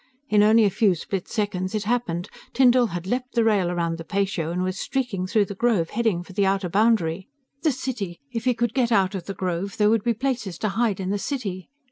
In only a few split seconds it happened. Tyndall had leapt the rail around the patio, and was streaking through the Grove, heading for its outer boundary. The city if he could get out of the Grove, there would be places to hide in the city.